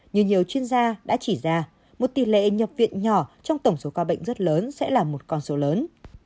như nhiều chuyên gia đã chỉ ra một tỷ lệ nhập viện nhỏ trong tổng số ca bệnh rất lớn sẽ là một con số lớn